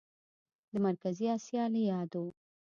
د مرکزي اسیا له یادو